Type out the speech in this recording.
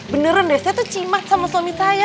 beneran deh saya tuh cimat sama suami saya